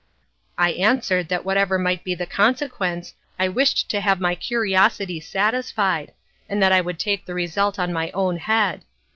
I answered that whatever might be the consequence I wished to have my curiosity satisfied, and that I would take the result on my own head.